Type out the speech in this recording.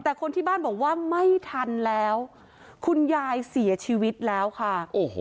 แต่คนที่บ้านบอกว่าไม่ทันแล้วคุณยายเสียชีวิตแล้วค่ะโอ้โห